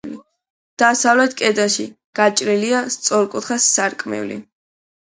დასავლეთ კედელში გაჭრილია სწორკუთხა სარკმელი.